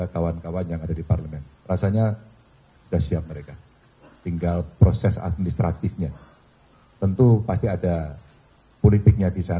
kalau kompas melihat cerita ini saya kira dimuati kompas